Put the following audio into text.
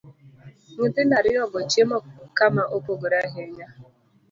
Nyithindo ariyo go chiemo kama opogore ahinya,